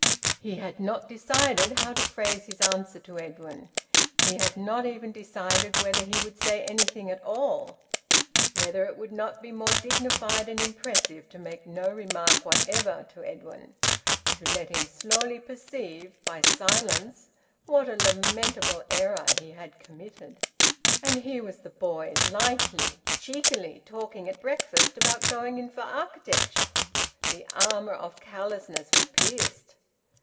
He had not decided how to phrase his answer to Edwin. He had not even decided whether he would say anything at all, whether it would not be more dignified and impressive to make no remark whatever to Edwin, to let him slowly perceive, by silence, what a lamentable error he had committed. And here was the boy lightly, cheekily, talking at breakfast about `going in for architecture'! The armour of callousness was pierced.